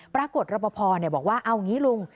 ปรากฏรับประพอบอกว่าเอางี้ลุง